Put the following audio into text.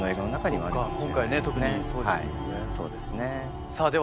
今回ね特にそうですもんね。